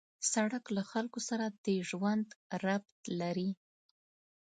سړک له خلکو سره د ژوند ربط لري.